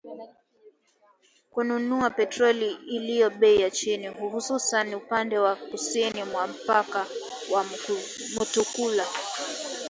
kununua petroli iliyo bei ya chini , hususan upande wa kusini mwa mpaka wa Mutukula